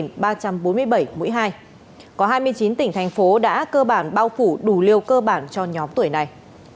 những tỉnh thành phố đã cơ bản bao phủ đủ liều cơ bản cho nhóm tuổi này